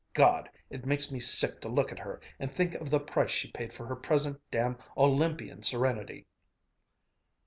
God! It makes me sick to look at her and think of the price she paid for her present damn Olympian serenity."